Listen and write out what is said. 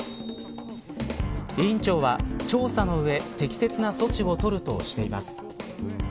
委員長は調査の上適切な措置を取るとしています。